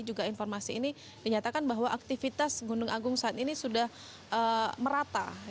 juga informasi ini dinyatakan bahwa aktivitas gunung agung saat ini sudah merata